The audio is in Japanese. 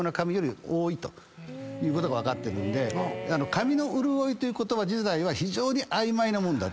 髪の潤いという言葉自体は非常に曖昧なもんだと。